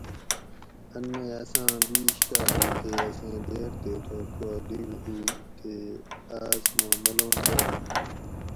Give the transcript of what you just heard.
ان مئ اساۤں بِیش کاۤل ہُو تے اسیں دیر تے تھوس پا لِگ ہُو تے آۤس ما ملنگ چاجِن